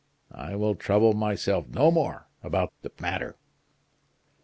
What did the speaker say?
I will trouble myself no more about the matter."